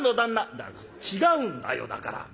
「だから違うんだよだから。